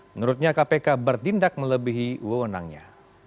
menurutnya kpk bertindak melebihi wewenangnya